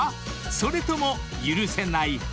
それとも許せない派？］